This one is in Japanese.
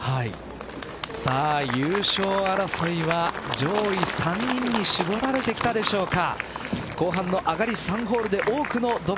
優勝争いは上位３人に絞られてきたでしょうか。